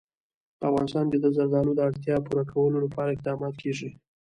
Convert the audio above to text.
په افغانستان کې د زردالو د اړتیاوو پوره کولو لپاره اقدامات کېږي.